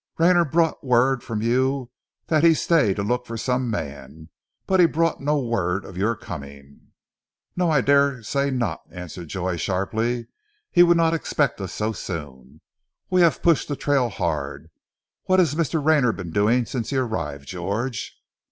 Rayner brought word from you that he stay to look for some man, but he brought no word of your coming." "No, I dare say not," answered Joy sharply. "He would not expect us so soon. We also have pushed the trail hard. What has Mr. Rayner been doing since he arrived, George?"